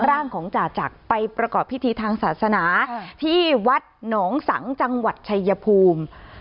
ร่างของจ่าจักรไปประกอบพิธีทางศาสนาที่วัดหนองสังจังหวัดชายภูมิ